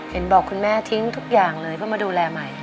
เห็นบอกคุณแม่ทิ้งทุกอย่างเลยเพื่อมาดูแลใหม่